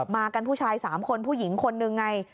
มากันผู้ชาย๓คนผู้หญิงคนหนึ่งไง